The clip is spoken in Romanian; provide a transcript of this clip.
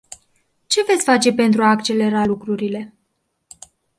Ce veți face pentru a accelera lucrurile?